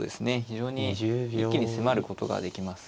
非常に一気に迫ることができます。